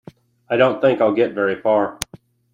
I don’t think I’ll get very far.